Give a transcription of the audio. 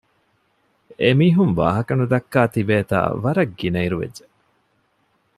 އެމީހުން ވާހަކަ ނުދައްކާ ތިބޭތާ ވަރަށް ގިނައިރު ވެއްޖެ